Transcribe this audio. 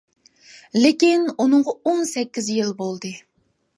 لېكىن ئۇنىڭغا ئون سەككىز يىل بولدى.